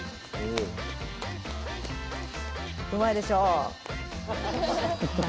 うまいでしょ。